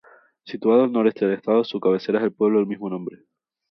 Situado al noreste del estado, su cabecera es el pueblo del mismo nombre.